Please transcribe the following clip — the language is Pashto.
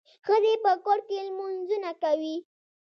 ښځي په کور کي لمونځونه کوي.